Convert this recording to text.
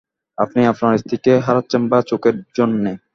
আপনি আপনার স্ত্রীকে হারাচ্ছেন বা চোখের জন্যে।